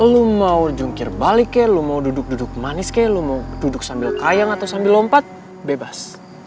lu mau jungkir balik ke lo mau duduk duduk manis kek lu mau duduk sambil kayang atau sambil lompat bebas